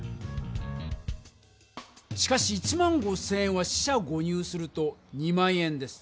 しかし１５０００円は四捨五入すると２万円です。